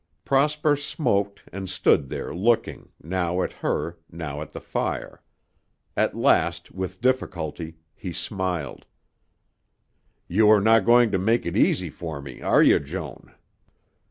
Prosper smoked and stood there looking, now at her, now at the fire. At last, with difficulty, he smiled. "You are not going to make it easy for me, are you, Joan?"